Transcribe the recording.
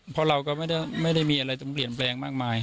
เพราะเราก็ไม่ได้มีอะไรต้องเปลี่ยนแปลงมากมาย